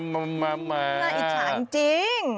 น่าอิจฉาจริง